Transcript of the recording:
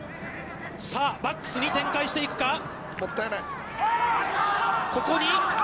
さあ、バックスに展開していくか。